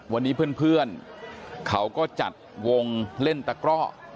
วันนี้เพื่อนเขาก็จัดวงเล่นตะกร่อ